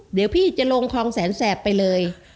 เดี๋ยวพี่จะลงคลองแสนแสบไปเลย